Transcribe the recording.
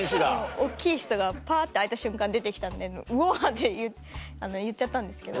大っきい人がパって開いた瞬間出て来たんで「うわ！」って言っちゃったんですけど。